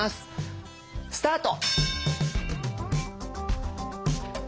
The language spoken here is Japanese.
スタート！